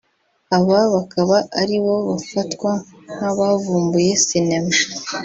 aba bakaba aribo bafatwa nk’abavumbuye sinema